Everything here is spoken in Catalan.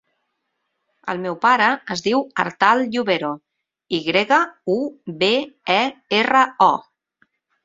El meu pare es diu Artal Yubero: i grega, u, be, e, erra, o.